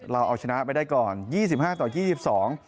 เราเอาชนะไปได้ก่อนยี่สิบห้าต่อยี่สิบสอง